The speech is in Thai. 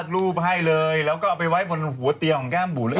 รูปให้เลยแล้วก็เอาไปไว้บนหัวเตียงของแก้มบุ๋เลย